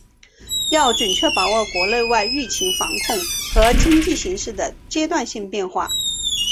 要准确把握国内外疫情防控和经济形势的阶段性变化